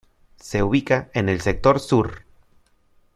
Se ubica en el sector sur.